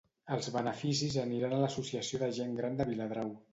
Els beneficis aniran a l'Associació de Gent Gran de Viladrau.